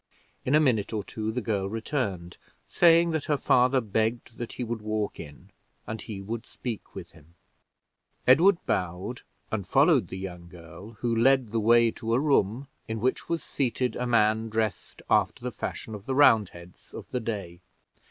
In a minute or two the girl returned, saying that her father begged that he would walk in, and he would speak with him. Edward bowed, and followed the young girl, who led the way to a room, in which was seated a man dressed after the fashion of the Roundheads of the day.